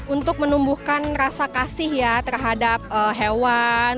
untuk menumbuhkan rasa kasih ya terhadap hewan